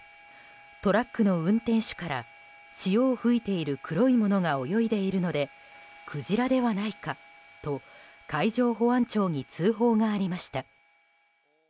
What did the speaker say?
トラックの運転手から潮を吹いている黒いものが泳いでいるのでクジラではないかと海上保安庁に通報がありました。